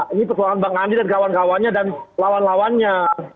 ini persoalan bang andi dan kawan kawannya dan lawan lawannya